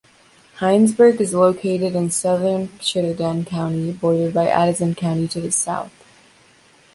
Hinesburg is located in southern Chittenden County, bordered by Addison County to the south.